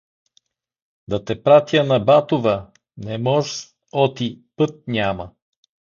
Да те пратя на Батова, не мож оти, път няма.